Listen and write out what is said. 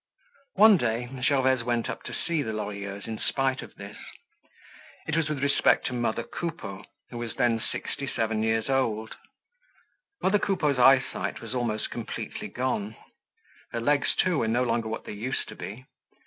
One day, Gervaise went up to see the Lorilleuxs in spite of this. It was with respect to mother Coupeau who was then sixty seven years old. Mother Coupeau's eyesight was almost completely gone. Her legs too were no longer what they used to be.